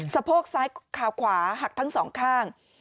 โพกซ้ายขาขวาหักทั้งสองข้าง